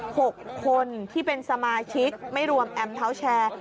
หกคนที่เป็นสมาชิกไม่รวมแอมเท้าแชร์